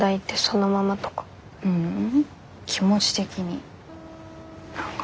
ううん気持ち的に何か